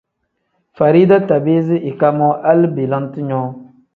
Farida tabiizi na ika moo hali belente nyoo.